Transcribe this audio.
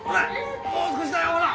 もう少しだよほら！